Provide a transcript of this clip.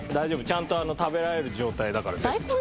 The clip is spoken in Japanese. ちゃんと食べられる状態だから。